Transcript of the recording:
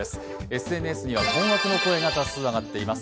ＳＮＳには困惑の声が多数上がっています。